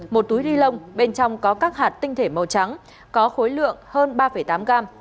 một túi ni lông bên trong có các hạt tinh thể màu trắng có khối lượng hơn ba tám g